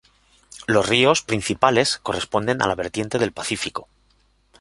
Los ríos principales corresponden a la vertiente del Pacífico.